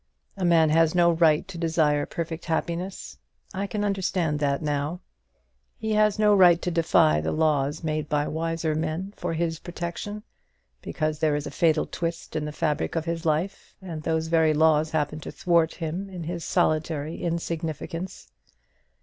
A man has no right to desire perfect happiness: I can understand that now. He has no right to defy the laws made by wiser men for his protection, because there is a fatal twist in the fabric of his life, and those very laws happen to thwart him in his solitary insignificance.